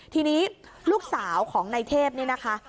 ทีนี้ลูกสาวของนายเทพนี่นะคะ